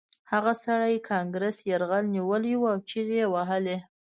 هغه سړي کانګرس یرغمل نیولی و او چیغې یې وهلې